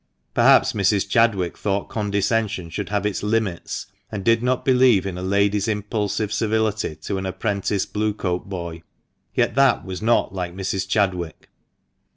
Perhaps Mrs. Chadwick thought condescension should have its limits, and did not believe in a lady's impulsive civility to an apprentice Blue coat boy, Yet that was not like Mrs. Chadwick.